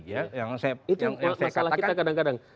itu masalah kita kadang kadang